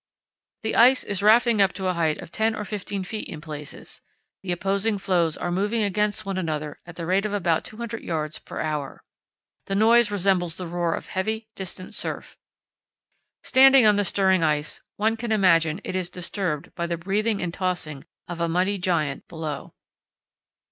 "The ice is rafting up to a height of 10 or 15 ft. in places, the opposing floes are moving against one another at the rate of about 200 yds. per hour. The noise resembles the roar of heavy, distant surf. Standing on the stirring ice one can imagine it is disturbed by the breathing and tossing of a mighty giant below."